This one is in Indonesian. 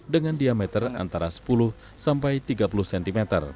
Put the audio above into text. dengan diameter antara sepuluh sampai tiga puluh cm